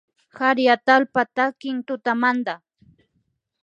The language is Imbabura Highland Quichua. Kari atallpa takik tutamanta